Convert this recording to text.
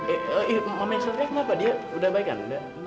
eh mamanya satria kenapa dia udah baik kan